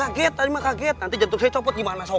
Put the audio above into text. kaget tadi mah kaget nanti jantung saya copot gimana